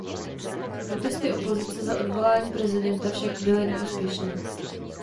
Protesty opozice za odvolání prezidenta však byly neúspěšné.